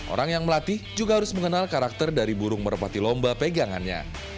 orang yang melatih juga harus mengenal karakter dari burung merpati lomba pegangannya